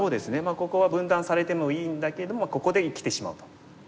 ここは分断されてもいいんだけれどもここで生きてしまうと。